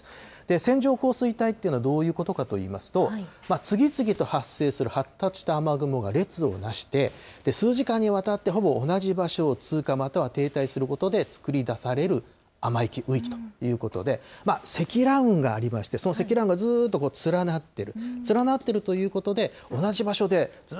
線状降水帯っていうのはどういうことかといいますと、次々と発生する発達した雨雲が列をなして、数時間にわたってほぼ同じ場所を通過、または停滞することで、作り出される雨域ということで雨域ということで、積乱雲がありまして、その積乱雲がずっと連なっている。